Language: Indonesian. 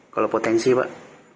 kalau potensi pak